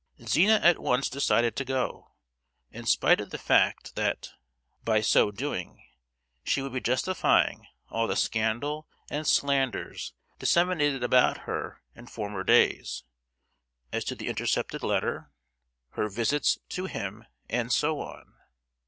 Zina at once decided to go, in spite of the fact that, by so doing, she would be justifying all the scandal and slanders disseminated about her in former days, as to the intercepted letter, her visits to him, and so on.